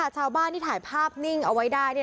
ชาวบ้านที่ถ่ายภาพนิ่งเอาไว้ได้